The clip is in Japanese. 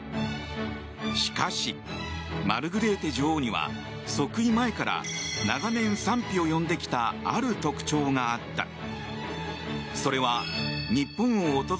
しかし、マルグレーテ女王には即位前から長年、賛否を呼んできたある特徴があった。